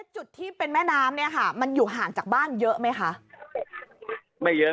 จุดที่เป็นแม่น้ำเนี่ยค่ะมันอยู่ห่างจากบ้านเยอะไหมคะ